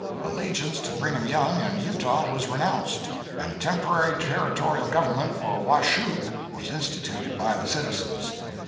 Allegiance to Brigham Young and Utah was renounced, and a temporary territorial government for "Washoe" was instituted by the citizens.